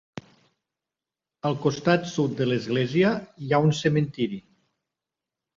Al costat sud de l'església hi ha un cementiri.